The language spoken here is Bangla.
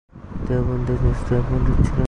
দেওবন্দি একজন ইসলামী পণ্ডিত ছিলেন।